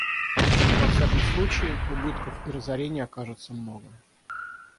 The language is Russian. Во всяком случае, убытков и разорения окажется много.